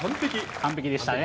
完璧でしたね。